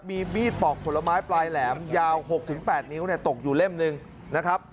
มีมีดปอกผลไม้ปลายแหลมยาว๖๘นิ้วตกอยู่เล่มหนึ่งนะครับ